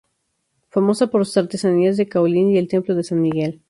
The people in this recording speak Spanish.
Famosa por sus artesanías de caolín y el templo de San Miguel.